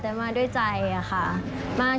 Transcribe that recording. แล้วก็คอยอำนวยความสะดวกแขกที่เข้ามาร่วมงานค่ะ